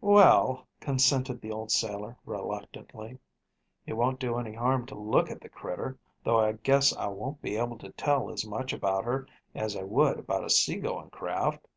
"Well," consented the old sailor reluctantly. "It won't do any harm to look at the critter, though I guess I won't be able to tell as much about her as I would about a sea going craft."